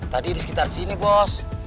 tadi di sekitar sini bos